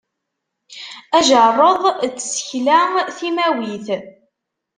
Ajerreḍ n tsekla timawit.